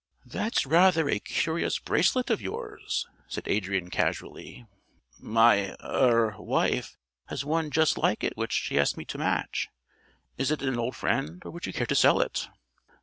"That's rather a curious bracelet of yours," said Adrian casually. "My er wife has one just like it which she asked me to match. Is it an old friend, or would you care to sell it?"